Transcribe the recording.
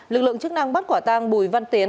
lực lượng chức năng bắt quả tang bùi văn tiến